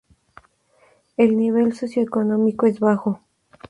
El nivel socioeconómico es bajo.